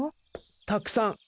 たくさん。